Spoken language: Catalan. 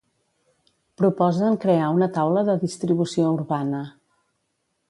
Proposen crear una Taula de Distribució Urbana.